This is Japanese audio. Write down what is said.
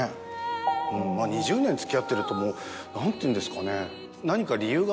２０年付き合ってるともう何ていうんですかね。